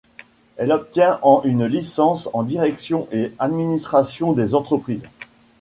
Elle obtient en une licence en direction et administration des entreprises.